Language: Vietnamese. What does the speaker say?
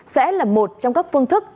sẽ là một trong các phương thức